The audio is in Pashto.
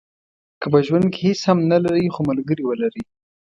که په ژوند کې هیڅ هم نه لرئ خو ملګری ولرئ.